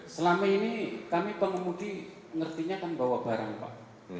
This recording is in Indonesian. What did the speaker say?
selama ini kami pengemudi ngertinya kan bawa barang pak